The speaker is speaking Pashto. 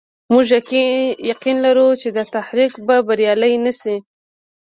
موږ يقين لرو چې دا تحریک به بریالی نه شي.